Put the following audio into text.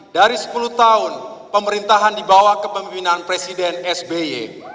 dari sepuluh tahun pemerintahan dibawah kepemimpinan presiden sby